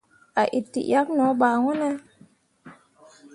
A itǝʼyakke no ɓa wune ?